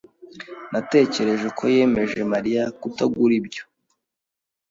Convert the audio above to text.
Natekereje ko yemeje Mariya kutagura ibyo.